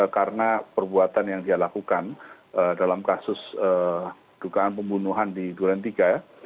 karena perbuatan yang dia lakukan dalam kasus dukaan pembunuhan di duran tiga ya